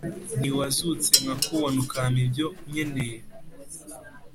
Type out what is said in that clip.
nti wazutse nkakubona ukampa ibyo nkeneye